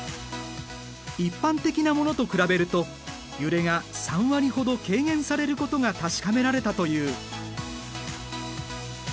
一般的なものと比べると揺れが３割ほど軽減されることが確かめられたという。